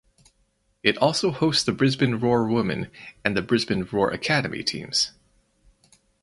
It also hosts the Brisbane Roar Women and the Brisbane Roar Academy teams.